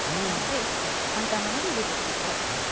なので１本簡単なので入れて下さい。